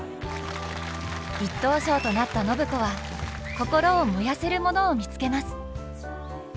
１等賞となった暢子は心を燃やせるものを見つけます。